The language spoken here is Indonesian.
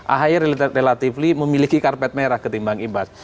ahy relatively memiliki karpet merah ketimbang ibas